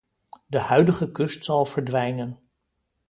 De huidige kust zal verdwijnen.